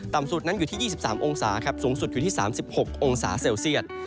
สุดนั้นอยู่ที่๒๓องศาครับสูงสุดอยู่ที่๓๖องศาเซลเซียต